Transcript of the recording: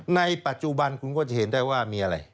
ในปัจจุบันคุณก็จะเห็นได้ว่ามีอะไร